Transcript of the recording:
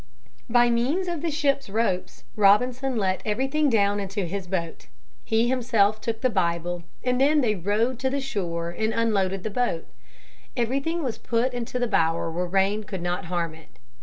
By means of the ship's ropes, Robinson let everything down into his boat. He himself took the Bible and then they rowed to the shore, and unloaded the boat. Everything was put into the bower where rain could not harm it.